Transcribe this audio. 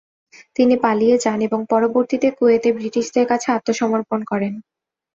তিনি পালিয়ে যান এবং পরবর্তীতে কুয়েতে ব্রিটিশদের কাছে আত্মসমর্পণ করেন।